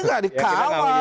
ini gak dikawal kan begitu